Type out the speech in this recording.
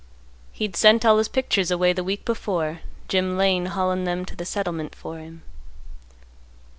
He'd sent all his pictures away the week before, Jim Lane haulin' them to the settlement for him.